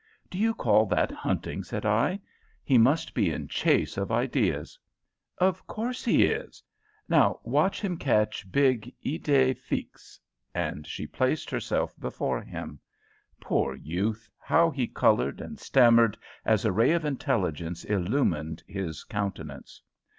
"Do you call that hunting?" said I; "He must be in chase of ideas." "Of course he is. Now watch him catch big idée fixe," and she placed herself before him. Poor youth! how he coloured and stammered, as a ray of intelligence illumined his countenance!